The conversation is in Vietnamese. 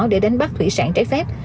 để đánh bắt thủy sản trái phép